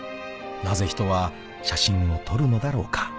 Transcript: ［なぜ人は写真を撮るのだろうか］